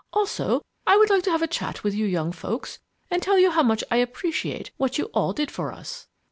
Also, I would like to have a chat with you young folks and tell you how much I appreciate what you all did for us."